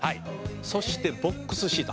「そしてボックスシート。